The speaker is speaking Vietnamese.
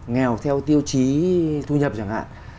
nghèo theo tiêu chí thu nhập chẳng hạn